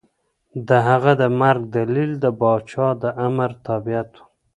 د هغه د مرګ دلیل د پاچا د امر تابعیت و.